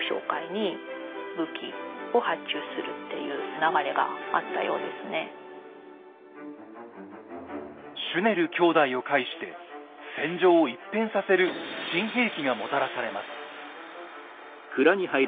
それを受けてシュネル兄弟を介して戦場を一変させる新兵器がもたらされます。